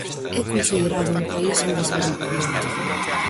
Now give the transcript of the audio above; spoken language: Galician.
É considerado un país en desenvolvemento.